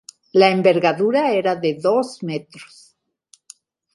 La envergadura era de dos metros.